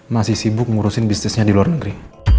masih sibuk ngurusin bisnisnya di luar negeri